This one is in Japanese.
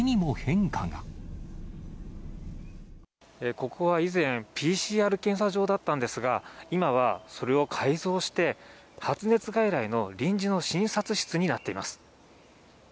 ここは以前、ＰＣＲ検査場だったんですが、今はそれを改装して、発熱外来の臨時の診察室になっています。